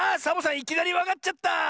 いきなりわかっちゃった！